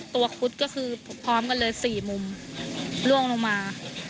คุดก็คือพร้อมกันเลย๔มุมล่วงลงมา